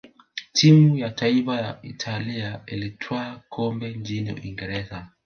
timu ya taifa ya italia ilitwaa kombe nchini uingereza